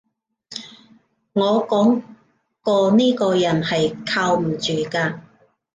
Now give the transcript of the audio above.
我講過呢個人係靠唔住嘅